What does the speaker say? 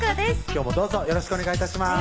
今日もどうぞよろしくお願い致します